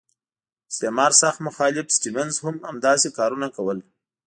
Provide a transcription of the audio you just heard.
استعمار سخت مخالف سټیونز هم همداسې کارونه کول.